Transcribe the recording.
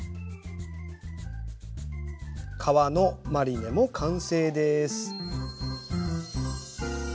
皮のマリネも完成です。